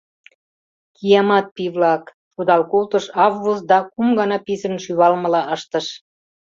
— Киямат пий-влак! — шудал колтыш Аввус да кум гына писын шӱвалмыла ыштыш.